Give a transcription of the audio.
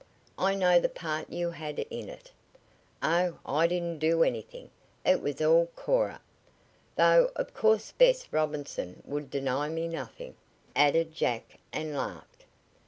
I know the part you had in it." "Oh, I didn't do anything. It was all Cora. Though of course Bess Robinson would deny me nothing," added Jack and laughed.